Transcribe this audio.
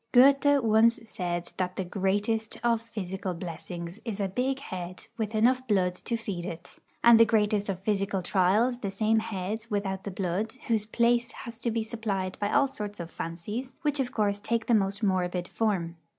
Goethe once said that the greatest of physical blessings is a big head with enough blood to feed it, and the greatest of physical trials the same head without the blood, whose place has to be supplied by all sorts of fancies, which of course take the most morbid form.